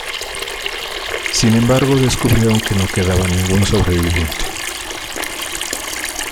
Sin embargo descubrieron que no quedaba ningún sobreviviente.